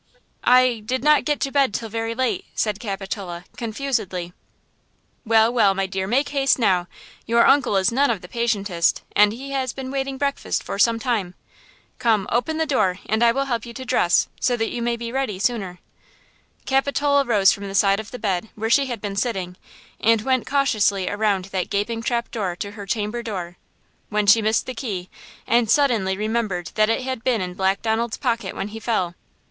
"I–did not get to bed till very late," said Capitola, confusedly. "Well, well, my dear, make haste now, your uncle is none of the patientest, and he has been waiting breakfast for some time! Come, open the door and I will help you to dress, so that you may be ready sooner." Capitola rose from the side of the bed, where she had been sitting, and went cautiously around that gaping trap door to her chamber door, when she missed the key, and suddenly remembered that it had been in Black Donald's pocket when he fell.